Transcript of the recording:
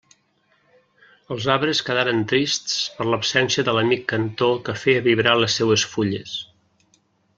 Els arbres quedaren trists per l'absència de l'amic cantor que feia vibrar les seues fulles.